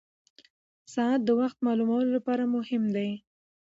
ساعت د وخت معلومولو لپاره مهم ده.